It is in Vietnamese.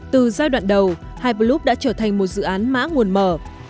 từ giai đoạn đầu hybroup đã trở thành một dự án mã nguồn mở